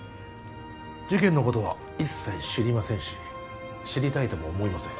事件のことは一切知りませんし知りたいとも思いません